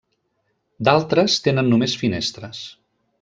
D'altres tenen només finestres.